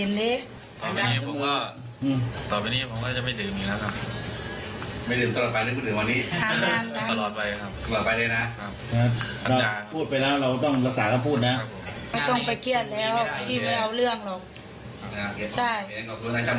ไม่ต้องไปเครียดแล้วพี่ไม่เอาเรื่องหรอก